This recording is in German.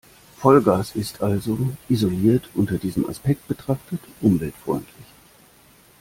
Vollgas ist also – isoliert unter diesem Aspekt betrachtet – umweltfreundlich.